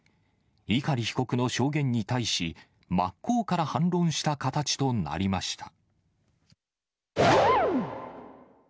碇被告の証言に対し、真っ向から反論した形となりました。